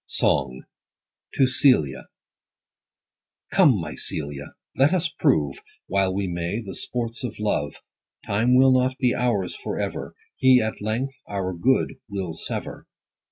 V. — SONG. — TO CELIA. Come, my CELIA, let us prove, While we may, the sports of love ; Time will not be ours for ever : He at length our good will sever.